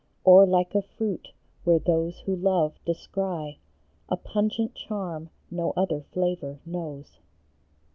Or like a fruit, where those who love descry A pungent charm no other flavor knows